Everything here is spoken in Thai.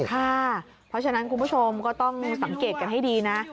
เพราะฉะนั้นคุณผู้ชมก็ต้องสังเกตกันให้ดีนะ